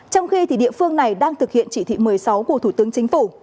trong khi địa phương này đang thực hiện chỉ thị một mươi sáu của thủ tướng chính phủ